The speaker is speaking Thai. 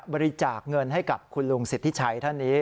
บริจาคเงินให้กับคุณลุงสิทธิชัยท่านนี้